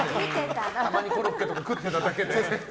たまにコロッケとか食ってただけでね。